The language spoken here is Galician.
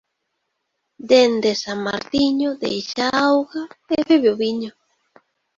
Dende san Martiño, deixa a auga e bebe o viño